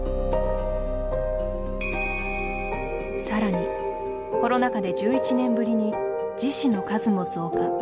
さらに、コロナ禍で１１年ぶりに自死の数も増加。